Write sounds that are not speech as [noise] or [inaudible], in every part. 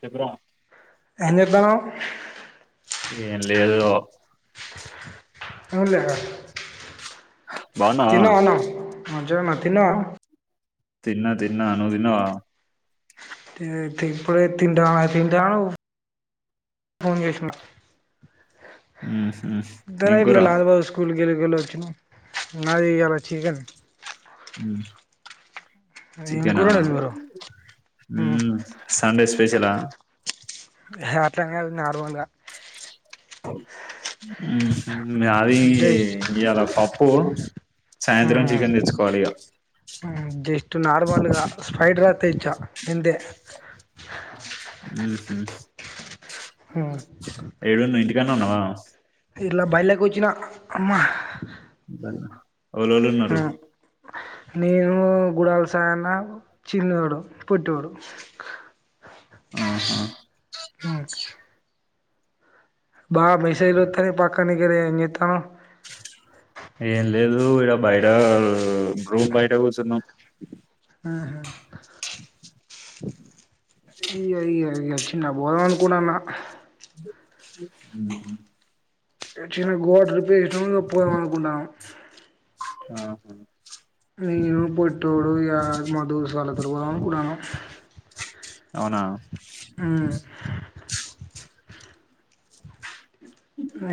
చెపురా ఏం చేత్తనవ్ ఏం లేదు ఊ లే బావున్నవా మంచిగ ఉన్న తిన్నవా తిన్నా తిన్నా నువు తిన్నవా ఇప్పుడు తింటా తింటాను ఫోన్ చేసినవ్ హ్మ్ హ్మ్ ఏంకూ రా గెల గెల వచ్చిన మాది ఇయ్యాల చికెన్ హ్మ్ ఏం చికెనా కూర వండిరు హ్మ్ మీరు సండే స్పెషలా హే హే అట్లని కాదు నార్మల్గా హ్మ్ హ్మ్ అది జస్ట్ ఇయ్యాల పప్పు సాయంత్రం చికెన్ తెచ్చుకోవాలి ఇగ ఇటు నార్మల్గా స్ట్రైడ్ గర్ త్తచ్చ గంతే హ్మ్ స్ హ్మ్ న్నవ ఇర్ల బైల్లెకొచ్చిన అమ్మ బన్న వోలోలు ఉన్నారు నేను గుడాల సాయన్న చిన్నోడు పొట్టోడు ఆహా. హ్మ్ బాగా మెసేజ్ లు వత్తనాయ్ పక్క నికర ఏం చేత్తనవ్ ఏం లేదు ఇడ బయట రూమ్ బయట కూర్చున్నాం. ఆహా అయ్యయ్యయో చిన్న బోదాం అనుకున్నాన్న హ్మ్ అక్చుల్లీ గోడర్పే పోదాం అనుకుంటామనం హ్మ్ నేను పోట్టోడు ఇగా మా దోస్త్ వాళ్ళతో ర పోదామనుకుంటానం అవునా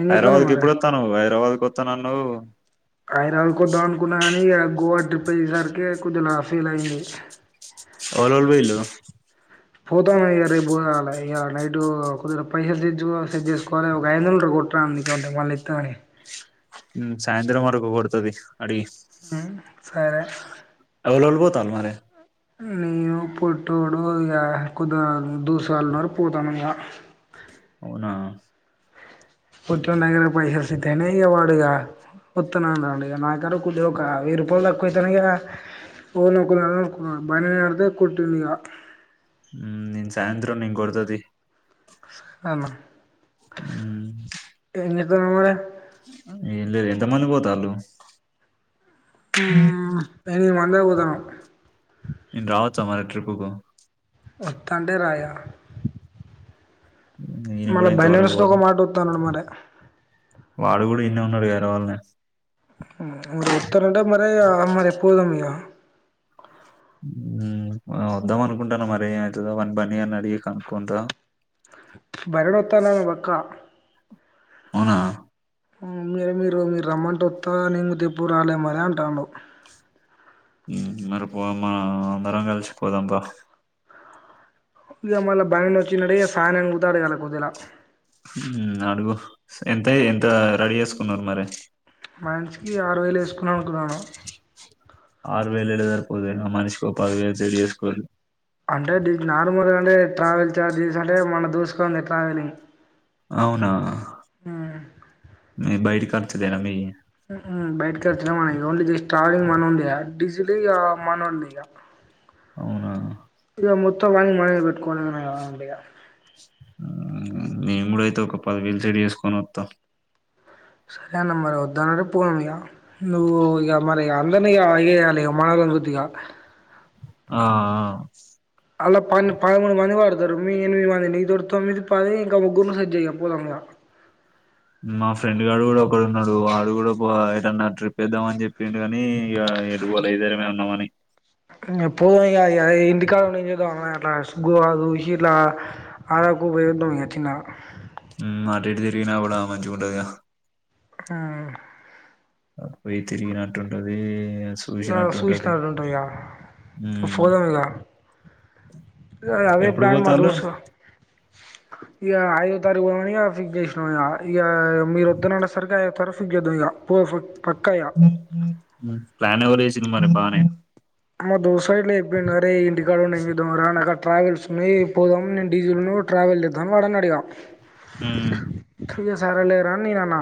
ఏం చేత్తన్నావ్ హైదరాబాద్ కు మరి ఎప్పుడు వత్తనవ్ హైదరాబాద్ పోత నన్నవ్ హైదరాబాద్కు వద్దాం అనుకున్నా కాని ఆ గోవా ట్రిప్ అయ్యేసరికి కొద్దిలా ఫెల్ అయింది ఓవలోవలు పోయిళ్ళు పోతాం ఇగా రేపు పోవలె ఇగా నైట్ కొద్దిగా పైసలుసేజు సెట్ చేసువాలి ఒక ఐదు వందలు ఉంటే కోట్ర నికాడుంటే మళ్ళీ ఇత్తగని ఉ సాయంత్రం వరకు కొడుతది అడి మ్మ్ సరే ఎవలెవలు పోతల్లు మరే నేను పోట్టోడు ఇగా కొద్దిగా దోస్తుగాల్లున్నారు పోతానం ఇంకా అవునా పొట్టొనీ దగ్గర పైసలు సేట్టయినయ్ ఇగ వాడు ఇగ వత్తనటండు నాకాడా కొద్దిగా ఒక వెయ్యి రూపాయలు తక్కువైతనాయ్ కదా ఎవలో ఒకలను మహేందర్ని అడిగితే కొట్టిండు ఇగ ఉమ్ నీన్ సాయంత్రం నిన్ కొడ్త తి అమ్మ ఊ ఏం చెత్తన్నావ్ మరే ఏం లేదు ఎంత మంది పోతల్లు ఊ [unintelligible] అందరం పోతనం నేను రావచ్చా మరి ట్రిప్పుకు వోత్తాంటె రాయ నేను మళ్ళ కూడా ఇంతవరకు [unintelligible] ఒక పోవాలి మాట ఒత్త అన్నాడు మరే వాడు గూడా ఇన్నె ఉన్నాడు కదరా వాళ్ళనే మరీ ఓత్తరంట మరీ ఇగ మరి పోదాం ఇగా ఊ ఆ వద్దాం అనుకుంటన మరి ఏమవుతదో మరి బన్నీ గాన్ని అడిగి కనుక్కుంట భరణోత్త అన్నాడు వాన్ని పట్కరా అవునా మీరు మీరు మీరు రమ్మంటే వత్త నేను రేపు రాలే మరీ అంటాడు మరిపోవమ్మా అందరం కలిసి పోదాం పా ఇగా మళ్ళ [unintelligible] వచ్చిండట [unintelligible] ఓదెల ఊ అడుగు ఎంత ఎంత రడీ చేసుకున్నారు మరే మనిషికి ఆరువేలు వేసుకుదాం అనుకున్నాను ఆరు వేలు ఏడ సరిపోతయ్ అన్న మనిషికి ఓ పదివేలు సెట్ చేసుకోర్రి అంటే దీని నార్మల్గా అంటే ట్రావెల్ చార్జెస్ అంటే మన దోస్తుగాన్దే ట్రావెలింగ్ అవునా మీయి బయిటి ఖర్చులేనా మీయి ఉ బయటకి వచ్చిన మన ఓన్లీ ట్రావేలింగ్ మనోంది డీజిల్ మనోంది ఇగ అవునా ఇగ మొత్తం వానికి మనమే పెట్టుకోవాలి వానికి ఇగ నేను గూడా ఆయితే ఒక పది వేలు సెట్ చేసుకొని వత్తా సరే అన్న మరి వద్దాన్నే పోదాం ఇగ నువ్వు ఇగ మరి అందరిని ఏగేయ్యాలి ఇగ మన [unintelligible] ఆ ఆ అల్ల పన్నే పదమూడు మంది పడతారు మీ ఎనిమిది మంది నీతోటి తొమ్మిది పది ఇంకా ముగ్గురుని సెట్ చేయ్ ఇగ పోదాం ఇగ మా ఫ్రెండ్ గాడు కూడా ఒక్కడు ఉన్నాడు వాడు గూడా ఏటన్నా త్రిపేద్దాం అని చెప్పిండు కాని ఇగ ఎటు పోలే ఇద్దరమే ఉన్నామని ఇగ పోదాం ఇగ ఇగ ఇంటికాడా ఉండి ఏం చేద్దాం అట్లా గోవాకు చూసి ఇట్లా ఆరకు పోయద్దాం ఇగ చిన్నగా హ్మ్ అటు ఇటు తిరిగిన కూడా మంచి గుంటదిగా. హ్మ్ అ పోయి తిరిగినట్టు ఉంటది. ఇగ చూసినట్టు ఉంటది. గా ఇగ మ్మ్ పోదాం ఇక అదే ఎప్పుడు ప్లాన్ మా పోతాళ్ళు దోస్త్ ఇగా ఐదోవ తారీఖు పోమనిగా ఫిక్స్ చేసినాంగా ఇగా మీరు వత్తన అనే సరికి ఐదో తారీఖు ఫిక్స్ చేద్దాం. ఇగా పో ప్ హు హు హ్మ్ ప్లాన్ ఎవరేస్ సినిమనే బానే అమ్మ దోస్ కా ఇట్లే చెప్పిండు ఆరే ఈ ఇంటికాడుండీ ఏమ్ చేద్దాం. రా అని నాక్ అర్ ట్రావెల్స్ ఉన్నాయి. పోదాము నేను డీజిల్ ను ట్రావెల్ తేద్దాము. వాడన్నాడిగా హ్మ్ ఇక సరేలే రా అని నేనే అన్నా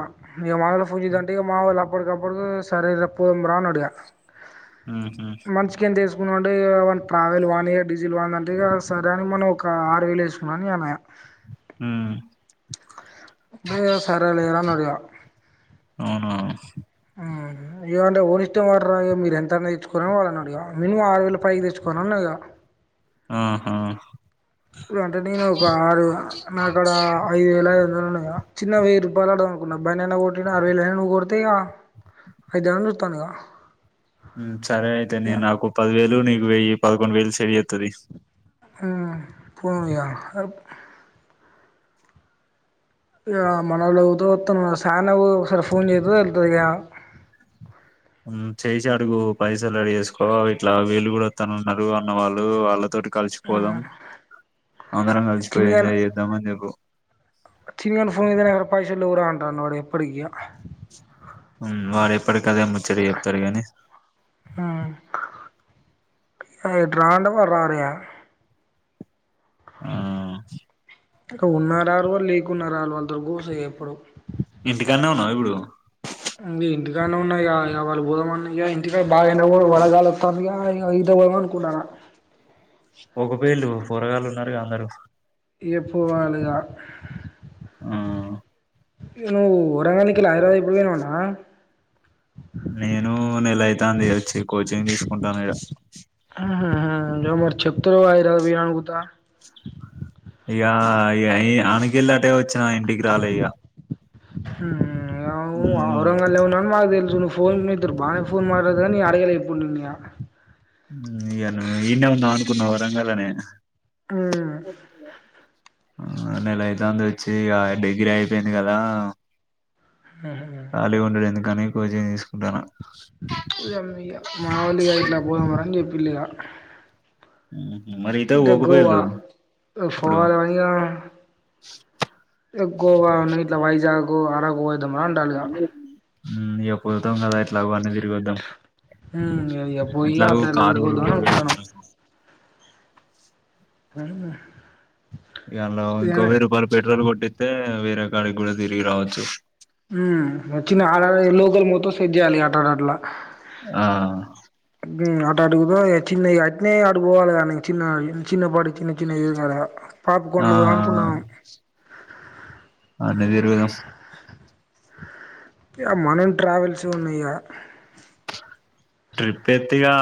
ఇగ మా వొళ్ళకు ఫోన్ చేద్దామంటే ఇగ మా వొళ్ల అప్ అప్పటికప్పుడుకి సరే రా పొందురా అన్నాడు. ఇగ ఉ హు మంచ్ కిింత్ వేస్ [unintelligible] ఇగ వాన్ ట్రావెల్ వాందిగా డీజిల్ వాంది అంటే ఇక సరే అని మనం ఒక ఆరు వేలు వేసుకున్నాని అన్న ఇగ హ్మ్ బే సరేలేరా అన్నాడిగా అవునా మ్మ్ ఇగా అంటే ఓ నిష్టం వానిదిరా ఇగ మీరు ఎంతన్నా ఇచ్చుకోరు రా వాడు అన్నాడు. ఇక మినిమం ఆరు వేల పైకి తెచ్చుకోనన్నా ఇగా ఆ హా ఇగ అంటే నేను ఒక ఆరు నాకాడా ఐదు వేలఐదు వందలు ఉ ఆ చిన్నగా వెయ్యి రూపాయలు అడగదాం అనుకున్నా బానేనా ఓటినే అరవైవ్లే నువ్వు కొడితే ఇక ఐదు [unintelligible] ఇత్తన్నాగా హ్మ్ సరే అయితేనే నాకు ఒక పదివేల్ ఇందులో నీకు వెయ్యి పదకొండు వేలు సేవ్ చేత్తది. హ్మ్ పొండీగా ఇగా మనళ్ళతో వత్తన చానా ఓ ఒకసారి ఫోన్ చేయాద్దు. వెళ్తూదిగా హ్మ్ చేసినా అడుగు పైసలు అడిగేసుకో ఇట్లా వీళ్లు కూడా వస్తానన్నారు. అన్నవాళ్ళు వాళ్ళతోటి కలిసిపోదాం. అందరం కలిసిపోయి ఎంజాయ్ చేద్దాం. అని చెప్పు చిన్ను గానికి ఫోన్ చేస్తేనోమో నా దగ్గర పైసలు లేవు. రా అంటుండు వాడు ఎప్పుడు అడిగినా హ్మ్ వాడు ఎప్పటికదేమోచ్చర చెప్తాడు. గాని హ్మ్ ఎమో ఇట రా అంటే వాడు రాడుగా ఆ ఇక ఉన్నారరారు కూడా లేకున్నారా వాళ్ళు వాళ్లతోటి గుర్చొని ఎప్పుడు ఇంటికానే ఉన్నావ ఇప్పుడు ఇం ఇంటికానే ఉన్నాయిగా ఆ ఆయా వాళ్ళు బూదమన్నాయి. గా ఇంటికా బాగా ఎండకూడ వలగాలుస్తాంది. గా ఇగ ఈతకు పోద్దాం అనుకుంటన ఒకబేల్లు పోరగాలు ఉన్నారుగా అందరు ఏ పోవాలిగా ఆ ఏ ను వరంగలి ఏరా ఇప్పుడు నేను నెలయితే వచ్చి కోచింగ్ తీసుకుంటాను ఈడ ఆహా హ యా ఏ య అనికాల అదే వచ్చిన ఇంటికి రాలేయ్యా హ్మ్ ఔంగ లే ఉనని మాద తె చ ఫోన్ తరుపాే ఫోన్ మాట్ా న అడయాాల ఏప్పుడువయయా ఇను ఈన్న ఉందాం అనుకున్న వరంగలనే ఊ ఆ నెల ఐతుంది వచ్చి డిగ్రీ అయిపోయింది కదా ఊ కానీ కోచింగ్ తీసుకుంటున్నా మగా మామూలుగా ఇట్లా పోద మ అని చెప్ప ఫుల్ గా మరి ఈతకు కా గోవా పోకపోయిల్లు ఇప్పుడు ఫల్ ఆనియా గోవా ఇట్లా వైజాగ్ అరకు పోయొద్దాం అండాలిగా ఇక పోతాం కదా ఇట్లాగ అనేది ద్దాం ఉమ్ ఇగ పోయి అట్లాగ కారు హు ఇలా ఇంకో వేయి రూపాయలు పెట్రోల్ కొట్టి అయితే వేరే కాడికి కూడా తిరిగి రావచ్చు ఉమ్ వచ్చిన ఆడ లోకల్ మొత్తం సెట్ చేయాలి ఎట్టాగో అట్లా ఆ అట్ట అడుగుదా చిన్న అట్నే ఆడుకోవాలి గాని చిన్న చిన్న పాడు చిన్న చిన్న ఇది కదా పాపి ఆ కొండలు పోధామ అనుకున్నాను అన్ని తిరుగుదాం ఇ మనం ట్రావెల్స్ ఉన్నాయా ట్రిప్ ఎత్తిగా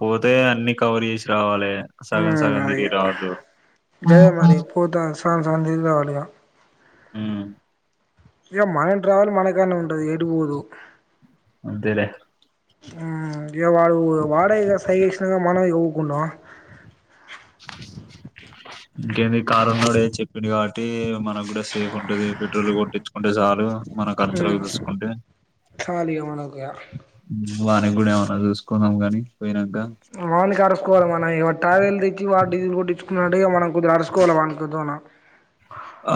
పోతే అన్ని కవర్ చేసి రావాలి సగం ఉమ్ సగం అదే ఇగ తిరిగి రావద్దు హు చందా కావాలిగ హు ఇ మనంట్రావల్ మనకన్ని ఉండది ఎడుపోదు అంతేలే ఇగ వాడు వాడే ఇగ సైగ చేశినకా మనం ఉకుంటమా ఇంకేంది కారణడ చెప్పింది కాబట్టి మనకు కూడా సేఫ్ ఉంటది పెట్రోల్ కొట్టించుకుంటే చాలు మన ఖర్చులోకి మ్మ్ తీసుకుంటే చాలు ఇగ మనకు ఇగ వాణికి కూడా ఏమైనా చూసుకుందం కానీ వాని కరసుకోవాలి మనం టైర్ తెచ్చి వాడు డీజిల్ కోటి నిడే మనం కుద్దిర అడుచకోవాలి వా దోన ఆ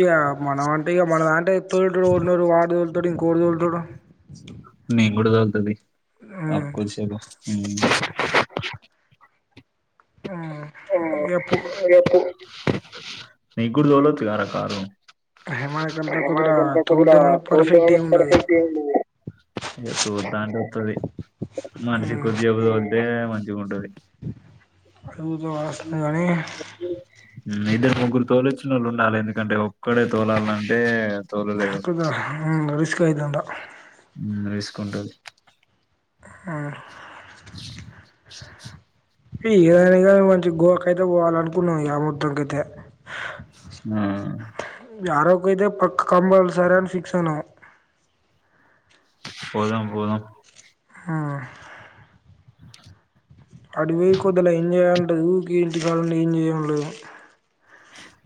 ఇగా మనం అంటే ఇగ మనద అంటే తోటు ఉన్నోరు వార్డు ల్టాడు ఇకోడు దోల్తాడు నేనూ కూడా డోల్తా తీ అకుష హు మ్మ్ మ్మ్ అ ఇగ పో ఎప్పుడు నీకు గుడు తోలచు గారా కారు మనకంత కొద్దిగా తోలుతం కానీ పర్ఫెక్ట్ ఏమి ఉండదు ఇగ తోల్తా అంటే ఒత్తది మనిషి ఉద్యోగం జూంటది [unintelligible] గాని ఇద్దరు ముగ్గురు తోలు వచ్చిన వాళ్ళు ఉండాలి ఎందుకంటే ఒక్కడే తోలాలంటే తోలలేడు కాకదా అస్కయిదంద మ్మ్ వేసుకుంటది ఆ [unintelligible] మంచి గోవా కై అయితే పోవాల అనుకున్నాం మొత్తం అయితే ఆ యారొక్క ఇతే పక్క కంపల్సర అని ఫిక్స్ అనం పోదాం పోదం ఆ అడి పోయి కొద్దిలే ఏం చేయాల లేదు ఊకంటి కాలండి ఏం చేయలేదు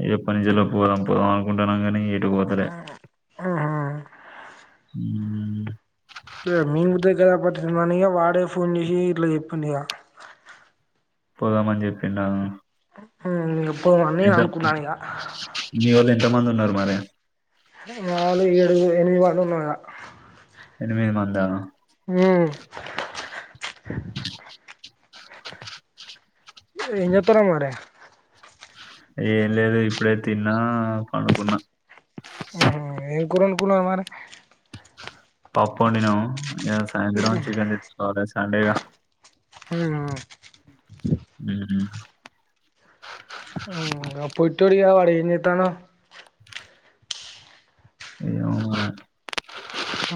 ఏద పని చేల్లో పోదాం పోదాం అనుకుంటున్నాం కాగానీ వటు పోతార ఆహా మ్మ్ మీ ముద దా పా వాడే ఫోన్ చేసి ఇట్లా చెప్పిండు ఇగ పోదామని చెపిండా అ పోన్న అనుకున్నానిద మీ వోళ్ళు ఎంత మంది ఉన్నారు మరి నాలుగు ఏడు ఎనిమి వ అనున్నా ఎనిమిది మంద హ ఇతర మారే ఏం లేదు ఇప్పుడే తిన్నా పనుకున్నా ఏంకోనుకు మరి పాప్ప వడినాో ఇ సాయంత్రం చికెన్ ఇ చండేగా హ హ్మ్ పోయిట్ పడి అనితాన ఏ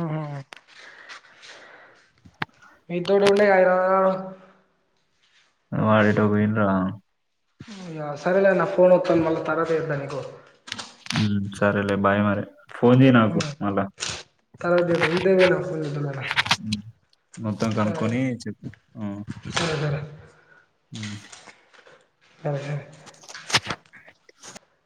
ఆహ మీీతోోడ ఉండ అయనా వాడిే ట పోంద సరేలే నా ఫోన్ వతాను మళ తర్త ఎందానికు సరేలే బాయ్ మరి ఫోన్ చేయ్య నాకు మళ్ళా తర్వాత చేత్తా ఇదే పోయినా ఫోన్ చేద్దాం మొత్తం సరే కనుక్కొని చెప్ప సరే సరే ఆ స